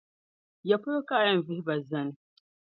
Yapolo ka a yɛn vihi ba zani?